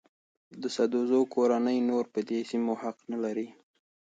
د سدوزو کورنۍ نور په دې سیمو حق نه لري.